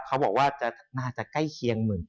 เขาบอกว่าน่าจะใกล้เคียง๑๙